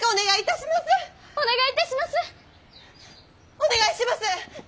お願いします！